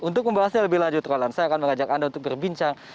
untuk membahasnya lebih lanjut roland saya akan mengajak anda untuk berbincang